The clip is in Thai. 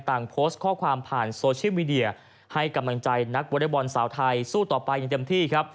ต่างโพสต์ข้อความผ่านโซเชียลมีเดียให้กำลังใจนักวอเล็กบอลสาวไทยสู้ต่อไปอย่างเต็มที่ครับ